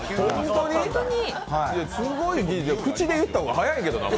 すごい、口で言った方が早いけどな。